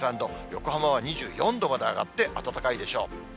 横浜は２４度まで上がって、暖かいでしょう。